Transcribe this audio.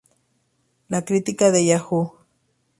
La crítica de Yahoo!